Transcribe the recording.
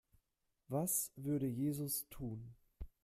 Was würde Jesus tun?